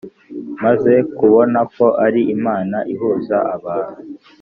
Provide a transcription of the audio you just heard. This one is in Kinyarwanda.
maze kubona ko ari imana ihuza abantu